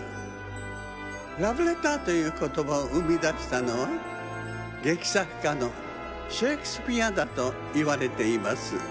「ラブレター」ということばをうみだしたのはげきさっかのシェイクスピアだといわれています。